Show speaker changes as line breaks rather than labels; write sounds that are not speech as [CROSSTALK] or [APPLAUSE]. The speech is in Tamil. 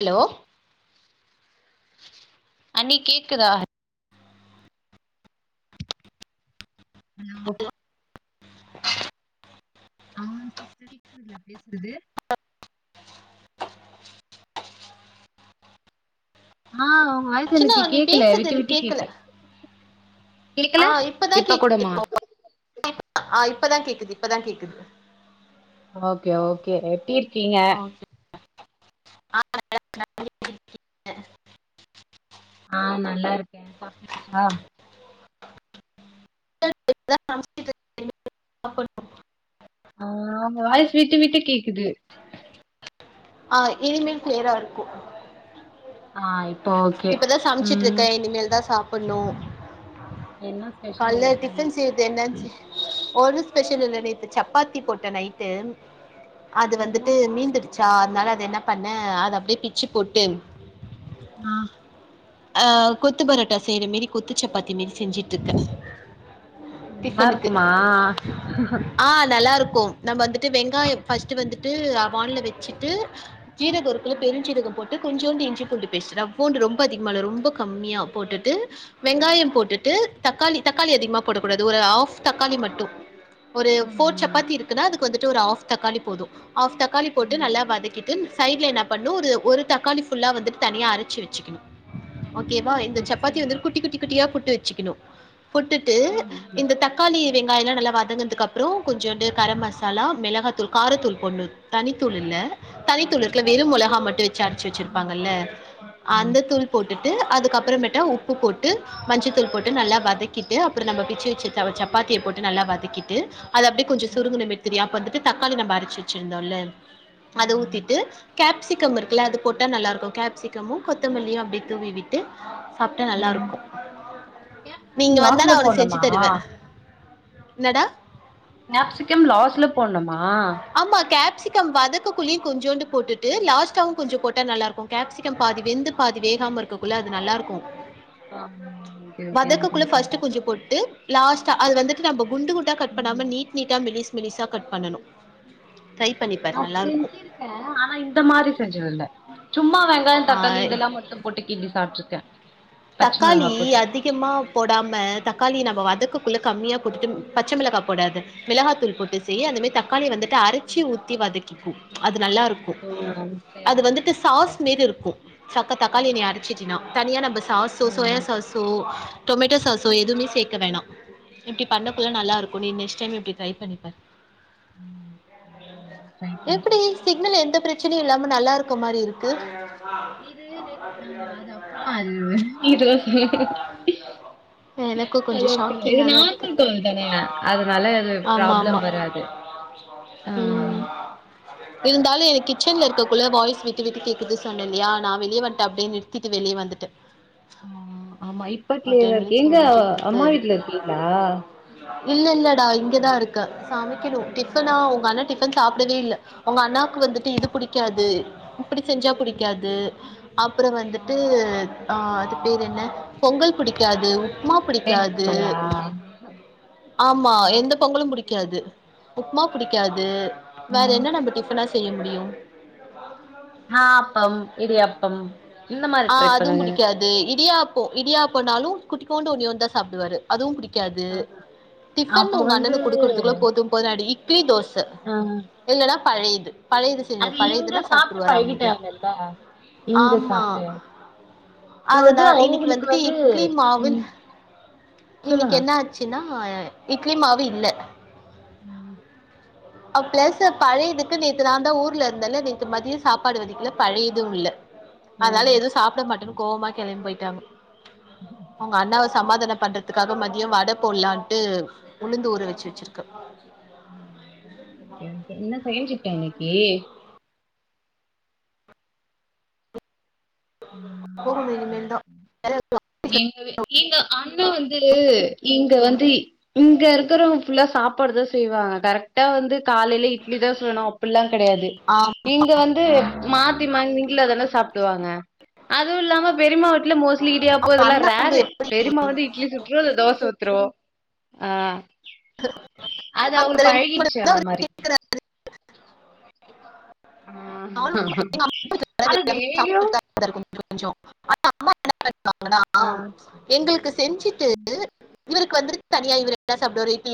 ஹலோ அண்ணி கேக்குதா அலோ
[INAUDIBLE]
ஆ சிஸ்டர் கேக்துங்ளா பேசுறது ஆ ஒங்க வாய்
ஆச்சுலா நீ பேசுறது எனக் கேக்கல ஆ
கேக்கல இப்ப கூடமா
இப்பதாகேக்குதுப்பொ ஆ இப்பதா கேக்குது இப்பதா கேக்குது
ஓகே ஓகே எப்டீ இர்க்கீங்க ஆ நல்லார்க்கே சாப்ட்டாச்சா
[INAUDIBLE]
ஆ ஒங்க வாய்ஸ் விட்டு விட்டு கேக்குது
ஆ இனிமே க்ளியரா இருக்கு
ஆ இப்போ ஓகே
இப்பதா சமச்சிட்ருக்க
ம்
இனிமேல் தா சாப் பன்னு
என்ன ஸ்பெஷல்
கால்ல
இன்னைக்கி
டிஃபன் செய்றது என்ன செ ஒரு ஸ்பெஷல்லு இல்ல நேத்து சப்பாத்தி போட்ட நைட்டு அது வந்துட்டு மீந்தூர்ச்சா அதனால அத என்ன பண்ண அது அப்டியே பிச்சு போட்டு
ஆ
ஆ கொத்து பரோட்டா செய்யற மேரி கொத்து சப்பாத்தி மேரி செஞ்சுட்ருக்க
நல்லா
டிபனுக்கு
இருக்குமா
ஆ நல்லாருக்கு நம்ம வந்துட்டு வெங்காயோ ஃபஸ்ட்டு வந்துட்டு வான்ல வெச்சுட்டு ஜீரக இருக்குல்ல பெருஞ்சீரக போட்டு கொஞ்சோண்டு இஞ்சி பூண்டு பேஸ்ட் நா பூண்டு ரொம்ப அதிகமால்ல ரொம்ப கம்மியா போட்டுட்டு வெங்காயம் போட்டுட்டு தக்காளி தக்காளி அதிகமா போடக் கூடாது ஒரு ஆஃப் தக்காளி மட்டு ஒரு ஃபோர்
ம்
சப்பாத்தி இருக் குனா அதுக்கு வந்துட்டு ஒரு ஆஃப் தக்காளி போது ஆஃப் தக்காளி போட்டு நல்லா
ம்
வதக்கிட் டு சைடுல என்ன பண்ணு ஒரு ஒரு தக்காளி ஃபுல்லா வந்துட்டு தனியா அரைச்சு வெச்சுக்கணு ஓகேவா இந்த சப்பாத்திய
பச்சையா
வந்து குட்டி குட்டி குட்டியா புட்டு வெச்சுக்கணு புட்டுட்டு
ம்
இந்த தக்காளி
ம்
வெங்காயலா நல்லா வதங்குனதுக்கப் றோ கொஞ்சோண்டு கரம் மசாலா மிளகாத்தூள் காரத்தூள் போடனு தனித்தூள் இல்ல தனித்தூள் இருக்குல்ல வெறு
ம்
மொளகா மட்டு வெச்சு அரச்சு
ஆமா
வெச்சிருப்பாங்கல்ல
ஆமா ம்
அந்த தூள் போட்டுட்டு அதுக்கப்பறமேட்டு உப்பு போட்டு மஞ்சத்தூள் போட்டு நல்லா வதக்கிட்டு அப்புற நம்ம பிச்சு வெச்சக்க சப்பாத்திய போட்டு நல்லா வதக்கிட்டு அது அப்படி கொஞ்ச
ம்
சுருங்கன மேரி தெரியு அப்ப வந்துட்டு தக்காளி நம்ம அரச்சி வெச்சிருந்தோல்ல அத
ஆமா
ஊத்திட்டு கேப்சிகம் இருக்குல்ல அது போட்டா நல்லாருக்கு கேப்சிகமு கொத்தமல்லியு அப்படியே தூவி விட்டு சாப்ட்டா நல்லா இருக்கு நீ
கேப்சிகம்
இங்க வந்தா
லாஸ்ல
நா உனக் செஞ்சு
போட்ணுமா
தருவே என்னடா
கேப்சிகம் லாஸ்ல போடனுமா
ஆமா கேப்சிகம் வதக்க குல்லயு கொஞ்சோண்டு போட்டுட்டு லாஸ்ட்டாவு கொஞ்ச போட்டா நல்லாருக்கு கேப்சிகம் பாதி வெந்து பாதி வேகாம இருக்கக்குள்ள அது நல்லாருக்கு
ஓகே ஓகே நா ட்ரை பண்ற
ஃபர்ஸ்ட்டு கொஞ்சோ போட்டு லாஸ்டா அது வந்துட்டு நம்ப குண்டு குண்டா கட் பண்ணாம நீட் நீட்டா மெலிசு மெலிசா கட் பண்ணனு ட்ரை பண்ணி
நா செஞ்சிருக்க ஆனா இந்த மாரி செஞ்சதில்ல சும்மா வெங்காய
ஆ
தக்காளி இதெல்லா மட்டு போட்டு கிண்டி சாப்ட்ருக்கே பச்ச மொளகா போட்டு
முக்யமா போடாம தக்காளி நம்ம வதக்கக்குள்ள கம்மியா போட்டுட்டு பச்சைமிளகா போடாத மிளகாத்தூள் போட்டு செய் அதேமே தக்காளி வந்துட்டு அரைச்சி ஊத்தி வதக்கிக்கு அது நல்லா இருக்கு
ஓ
அது வந்துட்டு சாஸ் மேரி இருக்கு சக்க தக்காளிய நீ அரைச்சிட்டினா தனியா நம்ம சாஸு சோயா
பண்றே
சாஸ் ஸோ டொமேட்டோ சாஸோ எதுமே சேக்க வேணா இப்டி
ம் ம்
பண்ணக்குள்ள நல்லாருக் கு நீ நெக்ஸ்ட் டைம் இப்டி ட்ரை பண்ணிப்பாரு
ம் ம் ட்ரை பண்றே
எப்படி சிக்னல் எந்த பிரச்சனையு இல்லாம நல்லா இருக்க மாரி இருக்கு
இது ந ஆ அது அப்புடிதா அ இது
எனக்கு கொஞ்ச
அது அப்டிதா இது
ஷாக்கிங்காதா இருக்கு
நார்மல் கோழி தானே அதனால அது
ஆமா ஆமா
ப்ராப்ளம் வராது ஆ
ம் இருந்தாலு எனக்கு கிச்சன்ல இருக்கக்குள்ள வாய்ஸ் விட்டு விட்டு கேக்குது சொன்ன இல்லையா நா வெளிய வன்ட்ட அப்டே நி றுத்திட்டு வெளிய வந்துட்டுட்ட
ஆ ஆமா இப்ப கிளியரா இருக்கு எங்க
முடிஞ்ச பிறகு
அம்மா வீட்ல இருக்கிங்ளா
இல்ல இல்லடா இங்கதா இருக்க சமைக்கணு
ஆ
டிஃபனா உங்க அண்ண டி ஃபன் சாப்டவே இல்ல உங்க அண்ணாக்கு வந்துட்டு இது பிடிக்காது இப்படி செஞ்சா புடிக்காது அப்புற
ஆ
வந்துட்டு ஆ அது பேரு என்ன பொங்கல் பிடிக்காது உப்மா
வெண்
பிடிக்காது
பொங்கலா
ஆமா
ஆ
எந்த பொங்கலும் பிடிக்காது உப்புமா புடிக்காது வேற என்ன நம்ம டிஃபனா செய்ய முடியு
ஆப்பம் இடியாப்பம் இந்த மாரி
ஆ
ட்ரை
அதும்
பண்ணுங்க
பிடிக்காது இடியாப்போ இடியாப்போனாலு குட்டிக்கூண்டு ஒன்னே ஒன்னுதா சாப்டுவாரு அதுவு பிடிக்காது டிஃபன்
அப்ப
உங்க
வந்து
அண்ணனுக்கு குடுக்குறதுக்குள்ள போது போதுன் ஆயிடு இட்லி தோச
ஆ
இல்ன்னா பழையது பழையது செஞ்ச
அது இங்க
பழையதுன்னா
சாப்டு
சாப்ட்ருவாரு அமைதியா
பழகிட்டாங்கல்ல இங்க சாப்டு
அதனா இன்னைக்கு வந்துட்டு
வந்து
இட்லி மாவு
ம்
இன்னைக்கு
சொல்லுங்க
என்னாச் சினா இட்லி மாவு இல்ல
ம்
அ பிளஸ் பழையதுக்கு நேத்து நா தா ஊர்ல இருந்தல்ல நேத்து மதியம் சாப்பாடு வடிக்கல பழையதும் இல்ல அதனால
ம்
எதுவும் சாப்பிட மாட்டேன்னு கோவமா கிளம்பி போயிட்டாங்க அவங்க அண்ணாவை சமாதானம் பண்றத் துக்காக மதியம் வடை போடலான்ட்டு உளுந்து ஊற வச்சு வச்சிருக்கு
ஓகே ஓகே என்ன செகண்ட் ஷிஃப் டா இன்னைக்கு
போகணும் இனிமேல் தா [UNINTELLIGIBLE]
நீங்க இங்க அண்ணே வந்து இங்க வந்து இங்க இருக்கிறவங்க ஃபுல்லா சாப்பாடு தான் செய்வாங்க கரெக்டா வந்து காலையில இட்லி தான் சுடணும் அப்டில்லாம் கிடையாது
ஆமா
இங்க வந்து மாத்தி மானிங்கல அதான சாப்டுவாங்க அதுவும் இல்லாம பெரியமா வீட்டுல மோஸ்ட்லி இடியாப்போ இதெல்லாம்
அண்ணா அங்க
ரேரு
எப்டி
பெரியம்மா வந்து இட்லி சு லியோ இல்ல தோசை ஊத்துருவோ ஆஹ் அது
அந்த
அவுகளுக்கு
ரெண்டு மணி
பழகிச்சு
நேரோ
அந்த மாரி
[UNINTELLIGIBLE] [UNINTELLIGIBLE]
ஆனா டெய்லியு
ஆனா அம்மா என்ன பண்ணிருப்பாங்கன்னா
ஆ
எங்களுக்கு செஞ்சுட்டு இவருக்கு வந்து தனியா இவரு என்ன சாப்டுவாரு இட்டிலி